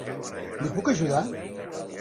Li puc ajudar?